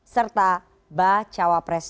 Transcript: serta bacawa pres